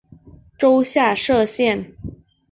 州下设县。